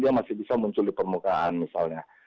dia masih bisa muncul di permukaan misalnya